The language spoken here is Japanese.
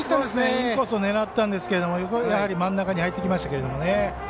インコースを狙ったんですけどやはり真ん中に入ってきましたけどね。